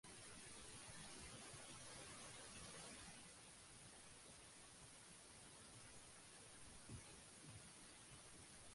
El nombre procede del químico y mineralogista alemán Johann Nepomuk von Fuchs.